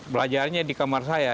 belajarnya di kamar saya